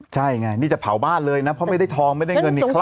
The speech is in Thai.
ใช่ไงนี่จะเผาบ้านเลยนะเพราะไม่ได้ทองไม่ได้เงินอีก